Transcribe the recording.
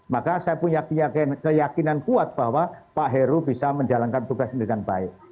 maka saya punya keyakinan kuat bahwa pak heru bisa menjalankan tugas ini dengan baik